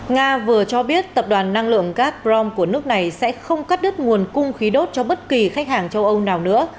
nga vừa cho biết tập đoàn năng lượng gac prom của nước này sẽ không cắt đứt nguồn cung khí đốt cho bất kỳ khách hàng châu âu nào nữa